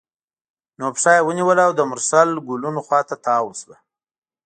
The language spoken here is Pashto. نو پښه یې ونیوله او د مرسل ګلونو خوا ته تاوه شوه.